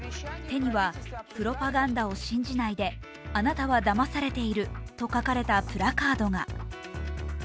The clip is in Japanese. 手には「プロパガンダを信じないで」、「あなたはだまされている」と書かれたプラカードが。